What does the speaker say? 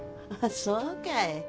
そうかい。